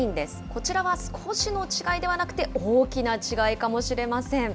こちらは少しの違いではなくて、大きな違いかもしれません。